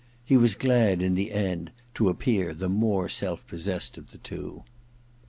He was glad, in the end, to appear the more self possessed of the two. •••.